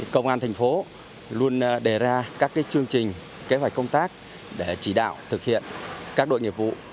công an thành phố luôn đề ra các chương trình kế hoạch công tác để chỉ đạo thực hiện các đội nghiệp vụ